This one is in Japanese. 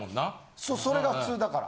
そうそれが普通だから。